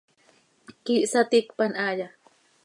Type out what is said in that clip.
¿Quíih saticpan haaya?